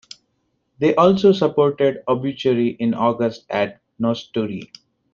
They also supported Obituary in August at Nosturi.